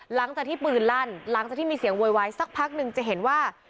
หลังจากที่ปืนลั่นหลังจากที่มีเสียงโวยวายสักพักหนึ่งจะเห็นว่า